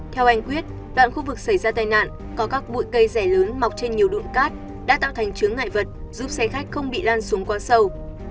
theo anh quyết đoạn khu vực xảy ra tai nạn có các bụi cây rẻ lớn mọc trên nhiều đụn cát đã tạo thành chướng ngại vật giúp xe khách không bị lan xuống quá sâu